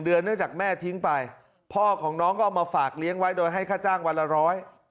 เนื่องจากแม่ทิ้งไปพ่อของน้องก็เอามาฝากเลี้ยงไว้โดยให้ค่าจ้างวันละร้อย